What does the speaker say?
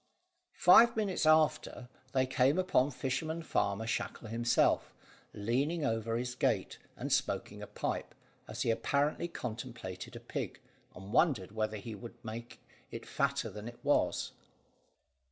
Five minutes after they came upon Fisherman farmer Shackle himself, leaning over his gate and smoking a pipe, as he apparently contemplated a pig, and wondered whether he ought to make it fatter than it was.